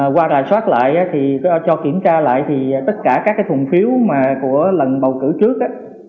qua rà soát lại thì cho kiểm tra lại thì tất cả các thùng phiếu của lần bầu cử trước